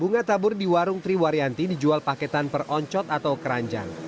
bunga tabur di warung triwaryanti dijual paketan per oncot atau keranjang